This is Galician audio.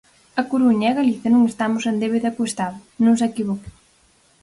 A Coruña e Galiza non estamos en débeda co Estado, non se equivoquen.